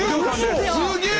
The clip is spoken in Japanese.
すげえ！